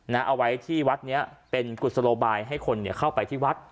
น่าเอาไว้ที่วัดเนี้ยเป็นกฤษโลบายให้คนเนี่ยเข้าไปที่วัด